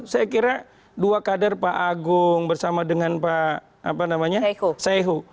saya kira dua kader pak agung bersama dengan pak saihu